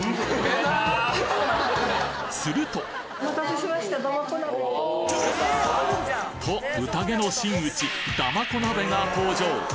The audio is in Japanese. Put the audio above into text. すると！と宴の真打ちだまこ鍋が登場！